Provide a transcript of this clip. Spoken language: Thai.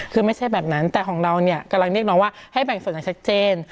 คือไม่ใช่แบบนั้นแต่ของเราเนี่ยกำลังเรียกน้องว่าให้แบ่งส่วนอย่างชัดเจน